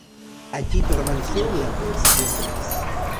Allí permaneció durante el siguiente mes.